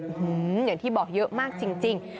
อื้อหืออย่างที่บอกเยอะมากจริง